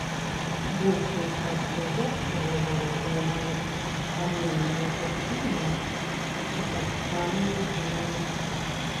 Большую частку вострава зараз займаюць каменная пустыня і пясчаныя дзюны.